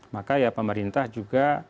maka ya pemerintah juga